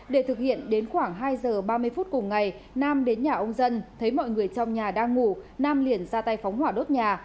để thực hiện đến khoảng hai giờ ba mươi phút cùng ngày nam đến nhà ông dân thấy mọi người trong nhà đang ngủ nam liền ra tay phóng hỏa đốt nhà